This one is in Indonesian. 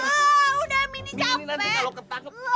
udah mini capek